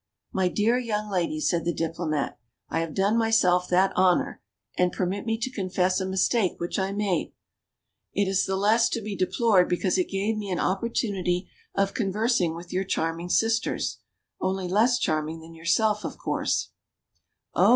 My dear young lady," said the Diplomat, I have done myself that honor; and permit me to confess a mistake which I made ; it is the less to be deplored because it gave me an opportunity of conversing with your charming sisters — only less charming than your self, of course." 30 THE CHILDREN'S WONDER BOOK. Oh